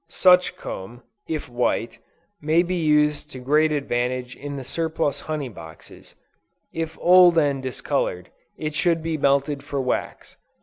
Such comb, if white, may be used to great advantage in the surplus honey boxes; if old and discolored, it should be melted for wax.